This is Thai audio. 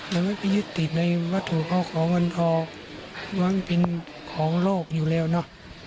และไม่มียึดติดในวัตถุของเงินทอมันเป็นของโลกอยู่แล้วนะ